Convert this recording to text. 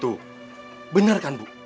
tuh bener kan bu